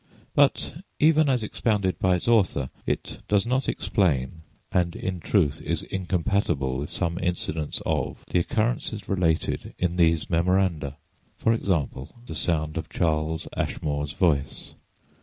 But even as expounded by its author it does not explain, and in truth is incompatible with some incidents of, the occurrences related in these memoranda: for example, the sound of Charles Ashmore's voice.